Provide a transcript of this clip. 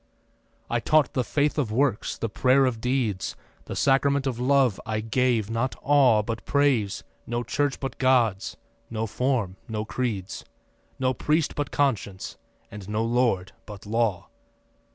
I taught the faith of works, the prayer of deeds, The sacrament of love. I gave, not awe, But praise; no church but God's; no form, no creeds; No priest but conscience and no lord but law.